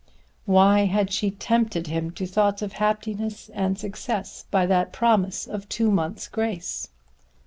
Why had she tempted him to thoughts of happiness and success by that promise of two months' grace?